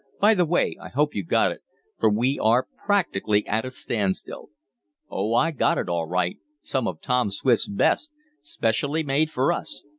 By the way, I hope you got it, for we are practically at a standstill." "Oh, I got it all right some of Tom Swift's best specially made for us.